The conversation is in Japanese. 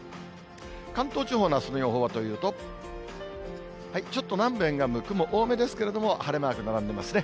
関東地方のあすの予報はというと、ちょっと南部沿岸部、雲多めですけれども、晴れマーク並んでますね。